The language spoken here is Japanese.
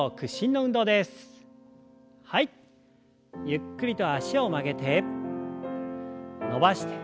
ゆっくりと脚を曲げて伸ばして。